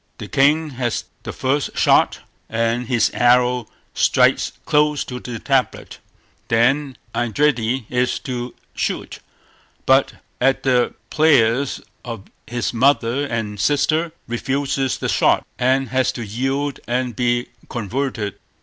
The king has the first shot, and his arrow strikes close to the tablet. Then Eindridi is to shoot, but at the prayers of his mother and sister, refuses the shot, and has to yield and be converted.